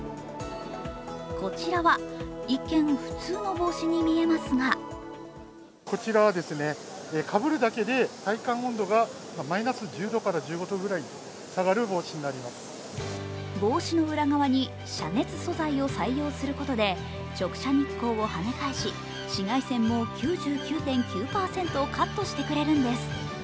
こちらは一見、普通の帽子に見えますが帽子の裏側に遮熱素材を採用することで、直射日光をはね返し紫外線も９９．９％カットしてくれるんです。